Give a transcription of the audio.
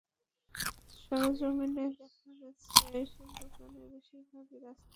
সরেজমিনে দেখা গেছে, এসব দোকানের বেশির ভাগই রাস্তার পাশে কিংবা ফুটপাতের ওপর।